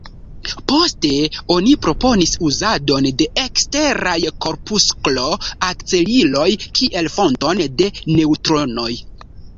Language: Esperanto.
Poste oni proponis uzadon de eksteraj korpusklo-akceliloj kiel fonton de neŭtronoj.